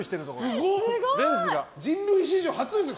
すごい！人類史上初ですよ。